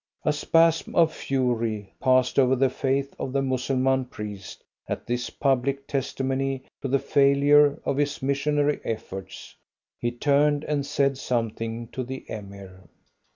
A spasm of fury passed over the face of the Mussulman priest at this public testimony to the failure of his missionary efforts. He turned and said something to the Emir.